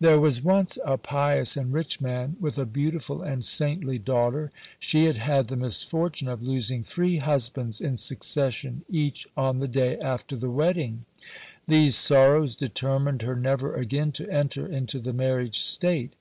There was once a pious and rich man with a beautiful and saintly daughter. She had had the misfortune of losing three husbands in succession, each on the day after the wedding. These sorrows determined her never again to enter into the marriage state.